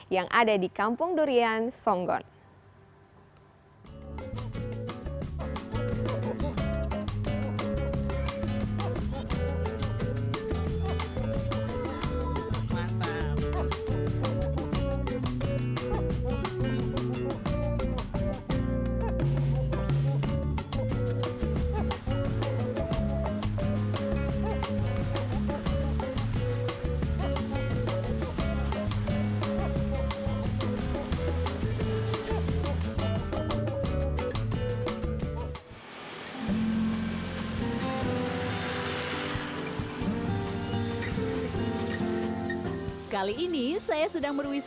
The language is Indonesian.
yang ada di kampung durian songgon